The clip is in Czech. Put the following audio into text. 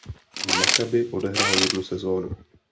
V Makabi odehrál jednu sezónu.